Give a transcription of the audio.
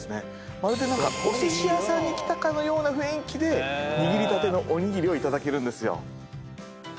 まるでおすし屋さんに来たかのような雰囲気で握りたてのおにぎりをいただけるんですよ。